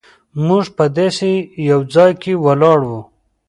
موږ په داسې یو ځای کې ولاړ وو.